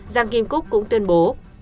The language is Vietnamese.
giang kim cúc cũng tuyên bố